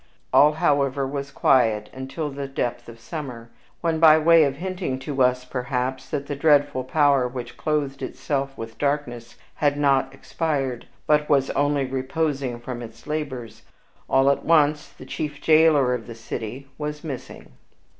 All, however, was quiet until the depth of summer, when, by way of hinting to us, perhaps, that the dreadful power which clothed itself with darkness had not expired, but was only reposing from its labors, all at once the chief jailer of the city was missing.